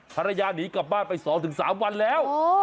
หนีกลับบ้านไป๒๓วันแล้ว